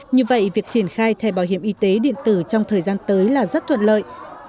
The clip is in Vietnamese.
như vậy việc triển khai thẻ bảo hiểm y tế điện tử trong thời gian tới là rất thuận lợi